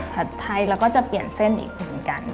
ผัดไทยเราก็จะเปลี่ยนเส้นอีกหนึ่งกัน